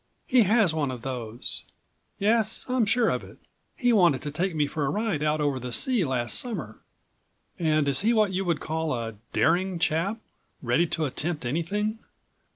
"He has one of those. Yes, I'm sure of it. He wanted to take me for a ride out over the sea last summer." "And is he what you would call a daring chap, ready to attempt anything?"